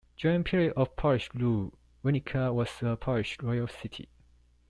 During period of Polish rule, Winnica was a Polish royal city.